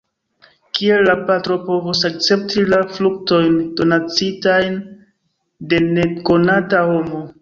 Kiel la patro povos akcepti la fruktojn, donacitajn de nekonata homo.